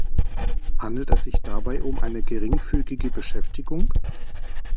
Handelt es sich dabei um eine geringfügige Beschäftigung?